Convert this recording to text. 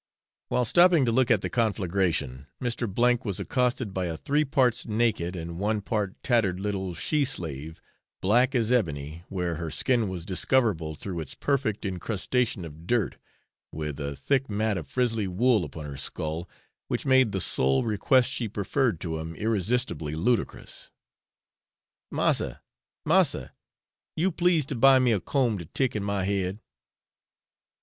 While stopping to look at the conflagration, Mr. was accosted by a three parts naked and one part tattered little she slave black as ebony, where her skin was discoverable through its perfect incrustation of dirt with a thick mat of frizzly wool upon her skull, which made the sole request she preferred to him irresistibly ludicrous: 'Massa, massa, you please to buy me a comb to tick in my head?'